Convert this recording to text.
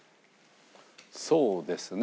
そうですね。